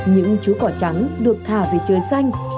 những chú cò trắng được thả về trời xanh